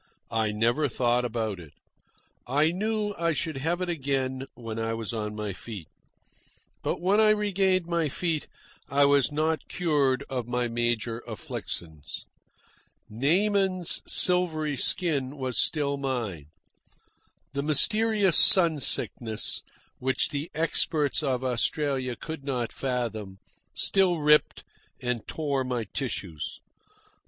I never thought about it. I knew I should have it again when I was on my feet. But when I regained my feet I was not cured of my major afflictions. Naaman's silvery skin was still mine. The mysterious sun sickness, which the experts of Australia could not fathom, still ripped and tore my tissues.